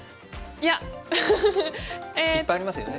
いっぱいありますよね。